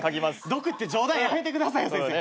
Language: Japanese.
毒って冗談やめてくださいよ先生。